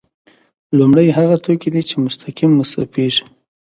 لومړی هغه توکي دي چې مستقیم مصرفیږي.